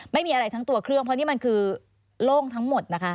ไม่มีอะไรทั้งตัวเครื่องเพราะนี่มันคือโล่งทั้งหมดนะคะ